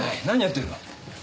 何やってるの？